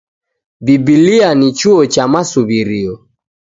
Biblia ni chuo cha masuw'irio.